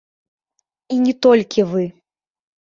І не толькі вы.